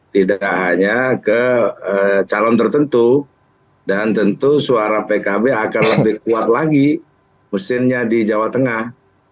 tidak hanya ke calon tertentu dan tentu suara pkb akan lebih kuat lagi mesinnya di jawa tengah